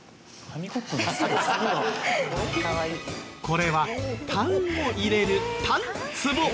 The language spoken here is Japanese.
これはたんを入れるたんつぼ。